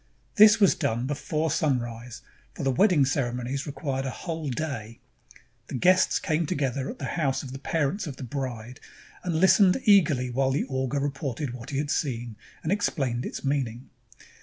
This was done before sunrise, for the wedding ceremo nies required a whole day. The guests came together at the house of the parents of the bride and Hstened eagerly while the augur reported what he had seen, and ex plained its meaning.